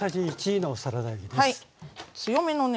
強めのね